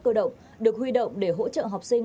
cơ động được huy động để hỗ trợ học sinh